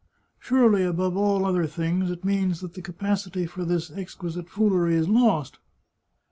" Surely, above all other things, it means that the capacity for this exquisite foolery is lost